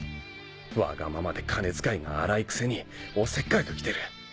わがままで金遣いが荒いくせにおせっかいときてる。